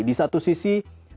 di satu sisi